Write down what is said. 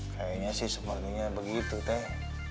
kayaknya sih semuanya begitu teh